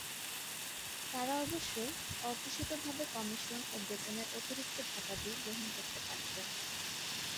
তারা অবশ্য অঘোষিতভাবে কমিশন ও বেতনের অতিরিক্ত ভাতাদি গ্রহণ করতে পারত।